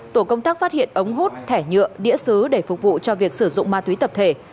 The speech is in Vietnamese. tổ công tác phát hiện ống hút thẻ nhựa đĩa xứ để phục vụ cho việc sử dụng ma túy tập thể